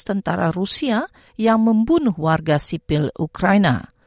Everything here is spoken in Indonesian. tentara rusia yang membunuh warga sipil ukraina